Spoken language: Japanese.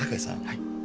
はい。